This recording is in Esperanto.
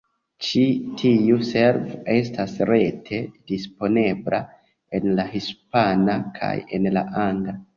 Ĉi tiu servo estas rete disponebla en la hispana kaj en la angla.